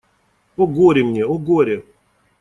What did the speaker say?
О, горе мне… о, горе!